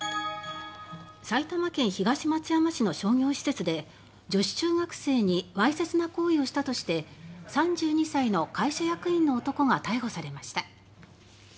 埼玉県東松山市の商業施設で女子中学生にわいせつな行為をしたとして３２歳の会社役員の男が逮捕されました。